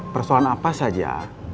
persoalan apa saja